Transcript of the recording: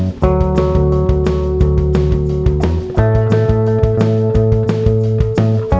mas masalah kamu kenapa